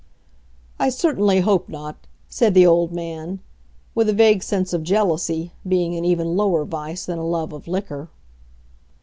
"I certainly hope not," said the old man, with a vague sense of jealousy being an even lower vice than a love of liquor.